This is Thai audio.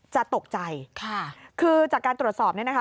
จะตกใจค่ะคือจากการตรวจสอบเนี่ยนะคะ